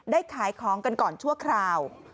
ขายของกันก่อนชั่วคราว